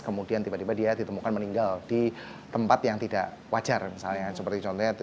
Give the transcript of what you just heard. kemudian tiba tiba dia ditemukan meninggal di tempat yang tidak wajar misalnya seperti contohnya